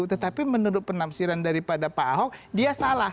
tetapi menurut penafsiran daripada pak ahok dia salah